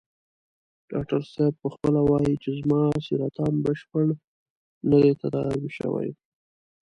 ډاکټر صاحب په خپله وايي چې زما سرطان بشپړ نه دی تداوي شوی.